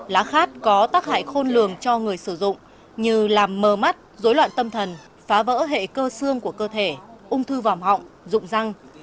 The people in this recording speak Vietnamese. lá khát có tác hại khôn lường cho người sử dụng như làm mờ mắt dối loạn tâm thần phá vỡ hệ cơ xương của cơ thể ung thư vòng họng dụng răng